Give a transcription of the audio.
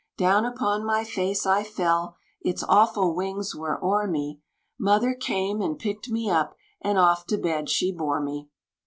Down upon my face I fell, its awful wings were o'er me, Mother came and picked me up, and off to bed she bore me.